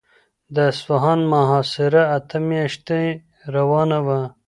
د اصفهان محاصره اته میاشتې روانه وه.